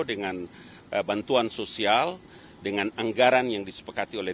dengan bantuan sosial dengan anggaran yang disepakati oleh